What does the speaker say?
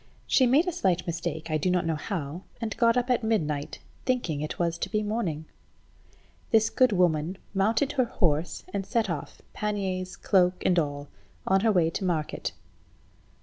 She made a slight mistake, I do not know how, and got up at midnight, thinking it to be morning. This good woman mounted her horse, and set off, panniers, cloak, and all, on her way to market.